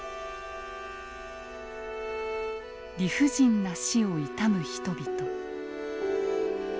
理不尽な死を悼む人々。